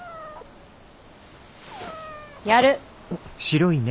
やる。